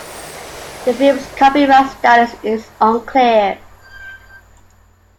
The film's copyright status is unclear.